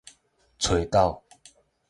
炊斗